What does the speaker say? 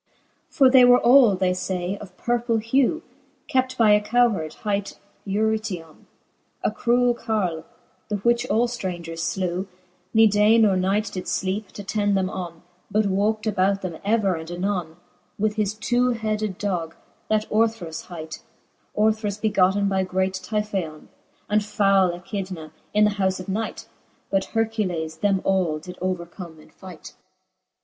X. For they were all, they iay, of purple hew, Kept by a cowheard, hight Eurytion^ A cruell carle, the which all ftrangers flew, Ne day or night did fleepe, t'attend them, on, But walkt about them ever and anone, With his two headed dogge, that Orthrus hight 5 Orthrus begotten by great T^yphaon^ And foule Echidna^ in the houfe of night ", But Hercules them all did overcome in fight.